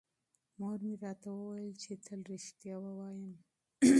مور مې راته وویل چې تل رښتیا ووایم.